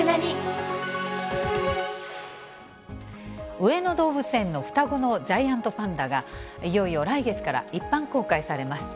上野動物園の双子のジャイアントパンダが、いよいよ来月から一般公開されます。